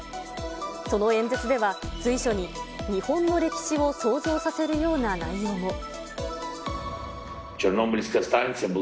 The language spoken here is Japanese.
その演説では随所に、日本の歴史を想像させるような内容も。